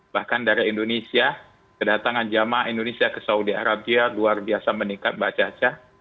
bahkan dari indonesia kedatangan jemaah indonesia ke saudi arabia luar biasa meningkat mbak caca